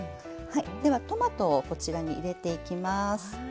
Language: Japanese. ではトマトをこちらに入れていきます。